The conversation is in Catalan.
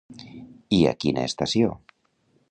I a quina estació?